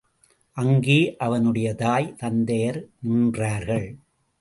அங்கே அவனுடைய தாய் தந்தையர் நின்றார்கள்.